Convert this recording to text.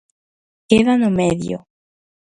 Queda no medio.